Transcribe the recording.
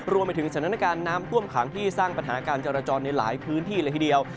รวมไปถึงสถานการณ์น้ำท่วมขังที่สร้างปัญหาการจราจรในหลายพื้นที่เลยทีเดียว